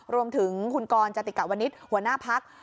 รวมถึงคุณกรจติกะวนิษฐ์หัวหน้าพัก